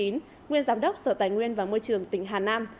nguyên giám đốc sở tài nguyên và môi trường tỉnh hà nam